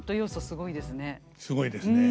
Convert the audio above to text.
すごいですねはい。